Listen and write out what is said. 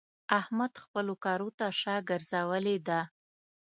احمد خپلو کارو ته شا ګرځولې ده.